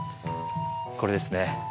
これですね